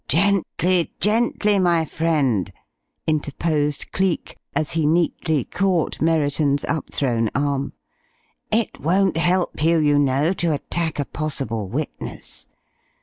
"Gently, gently, my friend," interposed Cleek, as he neatly caught Merriton's upthrown arm. "It won't help you, you know, to attack a possible witness.